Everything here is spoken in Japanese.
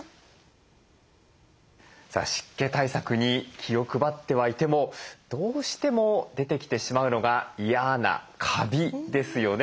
さあ湿気対策に気を配ってはいてもどうしても出てきてしまうのが嫌なカビですよね。